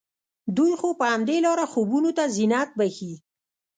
دوی خو په همدې لاره خوبونو ته زينت بښي